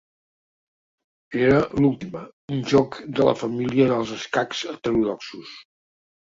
Era d'Ultima, un joc de la família dels escacs heterodoxos.